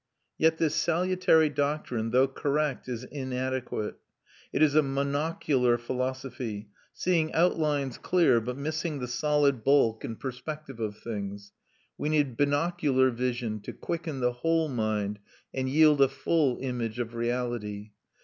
Yet this salutary doctrine, though correct, is inadequate. It is a monocular philosophy, seeing outlines clear, but missing the solid bulk and perspective of things. We need binocular vision to quicken the whole mind and yield a full image of reality.